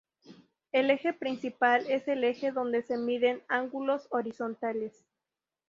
El eje principal es el eje donde se miden ángulos horizontales.